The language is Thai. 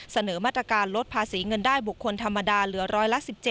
เสนอมาตรการลดภาษีเงินได้บุคคลธรรมดาเหลือร้อยละ๑๗